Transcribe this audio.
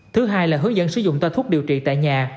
thứ hai là hướng dẫn sử dụng toa thuốc điều trị tại nhà